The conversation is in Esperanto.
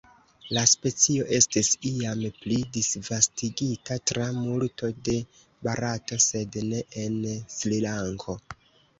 La specio estis iam pli disvastigita tra multo de Barato sed ne en Srilanko.